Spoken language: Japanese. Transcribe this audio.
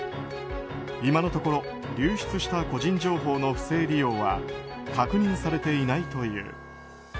今のところ流出した個人情報の不正利用は確認されていないという。